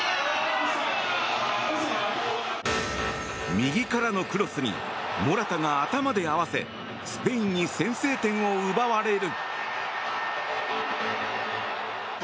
右からのクロスにモラタが頭で合わせスペインに先制点を奪われる。